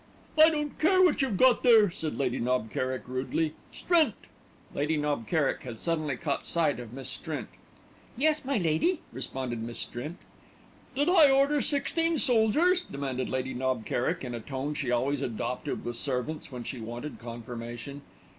"I don't care what you've got there," said Lady Knob Kerrick rudely. "Strint!" Lady Knob Kerrick had suddenly caught sight of Miss Strint. "Yes, my lady?" responded Miss Strint. "Did I order sixteen soldiers?" demanded Lady Knob Kerrick in a tone she always adopted with servants when she wanted confirmation.